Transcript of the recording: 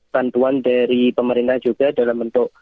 bantuan dari pemerintah juga dalam bentuk